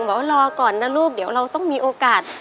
บอกว่ารอก่อนนะลูกเดี๋ยวเราต้องมีโอกาส